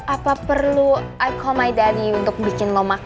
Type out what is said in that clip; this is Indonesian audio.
apa perlu i call my daddy untuk bikin lo makan